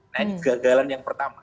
nah ini gagalan yang pertama